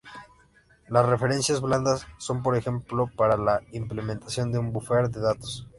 Las referencias blandas son, por ejemplo, para la implementación de un búfer de datos.